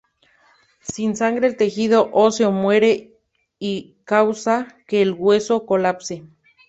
Sin sangre, el tejido óseo muere y causa que el hueso colapse.